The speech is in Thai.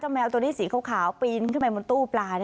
แมวตัวนี้สีขาวปีนขึ้นไปบนตู้ปลา